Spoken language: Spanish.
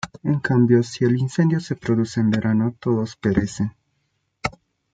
En cambio si el incendio se produce en verano, todos perecen.